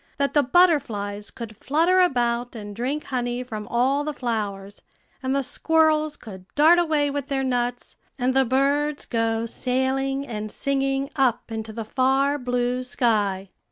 that the butterflies could flutter about and drink honey from all the flowers, and the squirrels could dart away with their nuts, and the birds go sailing and singing up into the far blue sky.